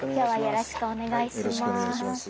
よろしくお願いします。